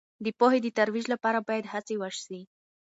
د پوهې د ترویج لپاره باید هڅې وسي.